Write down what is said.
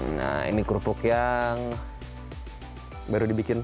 nah ini kerupuk yang baru dibikin